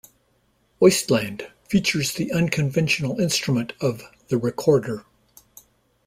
"Wasteland" features the unconventional instrument of the recorder.